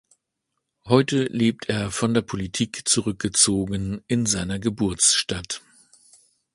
Heute lebt er von der Politik zurückgezogen in seiner Geburtsstadt.